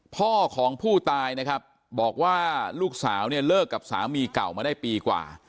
พ่อของผู้ตายนะครับบอกว่าลูกสาวเนี่ยเลิกกับสามีเก่ามาได้ปีกว่า